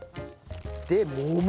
でもむ。